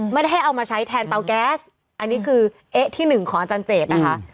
ไม่ได้ให้เอามาใช้แทนเตาแก๊สอันนี้คือเอ๊ะที่หนึ่งของอาจารย์เจดนะคะ